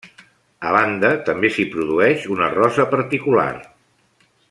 A banda, també s'hi produeix una rosa particular.